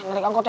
narik angkut ya